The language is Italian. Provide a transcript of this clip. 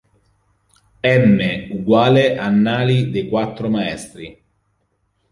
M=Annali dei Quattro Maestri.